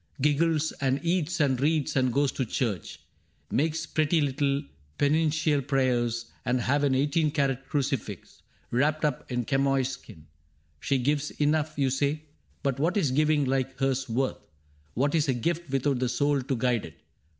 Giggles and eats and reads and goes to church. Makes pretty little penitential prayers. And has an eighteen carat crucifix Wrapped up in chamois skin. She gives enough. You say ; but what is giving like hers worth ? What is a gift without the soul to guide it